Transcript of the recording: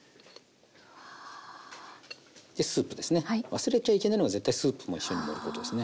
忘れちゃいけないのが絶対スープも一緒に入れることですね。